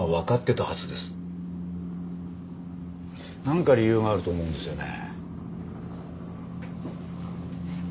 なんか理由があると思うんですよね。